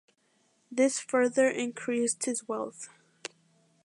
This further increased his wealth.